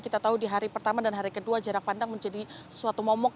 kita tahu di hari pertama dan hari kedua jarak pandang menjadi suatu momok